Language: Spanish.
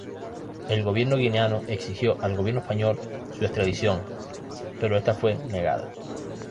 El gobierno guineano exigió al gobierno español su extradición, pero esta fue negada.